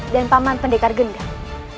dan paman pendekar gendang